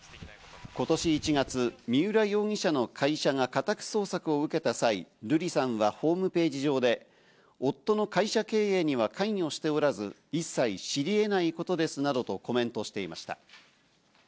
今年１月、三浦容疑者の会社が家宅捜索を受けた際、瑠麗さんはホームページ上で夫の会社経営には関与しておらず、一切知りえないことですなどとコメントしていました。